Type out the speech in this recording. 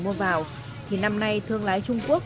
mua vào thì năm nay thương lái trung quốc